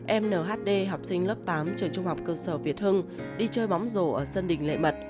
em nhd học sinh lớp tám trường trung học cơ sở việt hưng đi chơi bóng rổ ở sân đình lệ mật